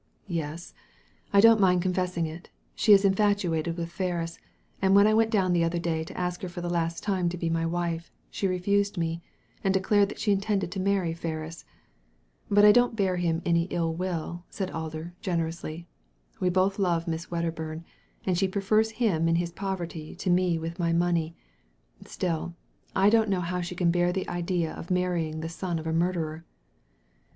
"Yes! I don't mind confessing it She is in fatuated with Ferris, and when I went down the other day to ask her for the last time to be my wife, she refused me, and declared that she in tended to marry Ferris. But I don't bear him any ill will," said Alder, generously. "We both love Miss Wedderbum, and she prefers him in his poverty to me with my money. Still, I don't know how she can bear the idea of marrying the son of a murderer."